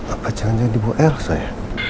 apa jangan jangan dibawa elso ya